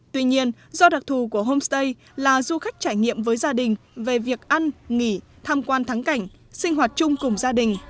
tuy nhiên do đặc thù của homestay là du khách trải nghiệm với gia đình về việc ăn nghỉ tham quan thắng cảnh sinh hoạt chung cùng gia đình